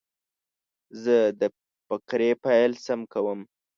زه د فقرې پیل سم کوم.